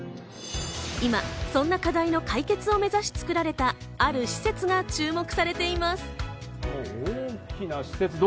今、そんな課題を解決を目指し作られたある施設が注目されています。